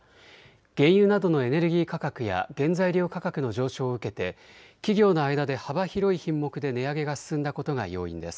原油などのエネルギー価格や原材料価格の上昇を受けて企業の間で幅広い品目で値上げが進んだことが要因です。